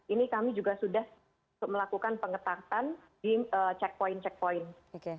ini kami juga sudah melakukan pengetatan di checkpoint checkpoint